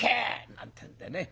なんてんでね